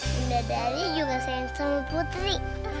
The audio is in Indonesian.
bunda dari juga sayang putri